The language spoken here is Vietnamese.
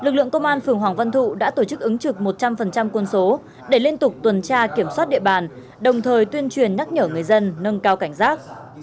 lực lượng công an phường hoàng văn thụ đã tổ chức ứng trực một trăm linh quân số để liên tục tuần tra kiểm soát địa bàn đồng thời tuyên truyền nhắc nhở người dân nâng cao cảnh giác